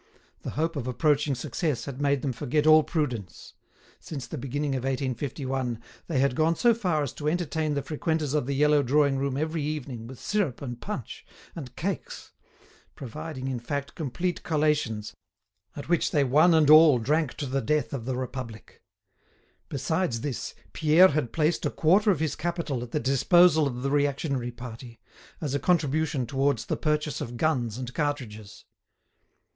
The hope of approaching success had made them forget all prudence. Since the beginning of 1851 they had gone so far as to entertain the frequenters of the yellow drawing room every evening with syrup and punch, and cakes—providing, in fact, complete collations, at which they one and all drank to the death of the Republic. Besides this, Pierre had placed a quarter of his capital at the disposal of the reactionary party, as a contribution towards the purchase of guns and cartridges.